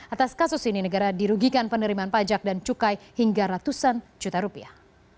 atas kasus ini negara dirugikan penerimaan pajak dan cukai hingga ratusan juta rupiah